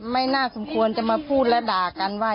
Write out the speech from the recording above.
ไม่น่าสมควรจะมาพูดและด่ากันว่า